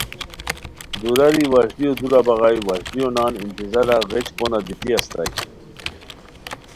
دُوراری وشلیو دُورہ بغائے وشلیو نان انتظارا غیچ پونہ دیتی استائے